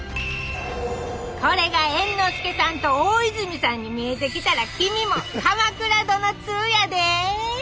これが猿之助さんと大泉さんに見えてきたら君も鎌倉殿通やで。